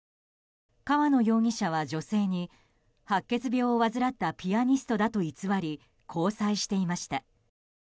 河野容疑者は女性に白血病を患ったピアニストだと偽り交際していました。